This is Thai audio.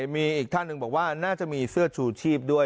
มีอีกท่านหนึ่งบอกว่าน่าจะมีเสื้อชูชีพด้วย